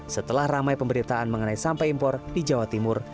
setelah ramai pemberitaan mengenai sampah impor di jawa timur